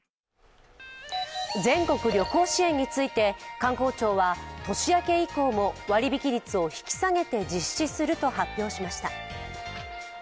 全国旅行支援について観光庁は年明け以降も割引率を引き下げて実施すると発表しました。